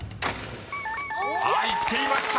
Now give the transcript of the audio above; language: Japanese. ［入っていました！